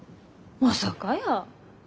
まさかやー。